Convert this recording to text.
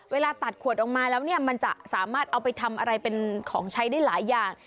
เวลาตัดขวดออกมาแล้วเนี่ยมันจะสามารถเอาไปทำอะไรเป็นของใช้ได้หลายอย่าง